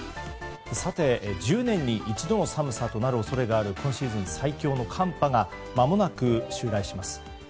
さて、１０年に一度の寒さとなる恐れがある今シーズン最強の寒波がまもなく襲来します。